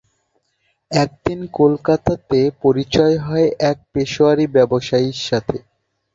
একদিন কলকাতাতে পরিচয় হয় এক পেশোয়ারী ব্যবসায়ীর সাথে।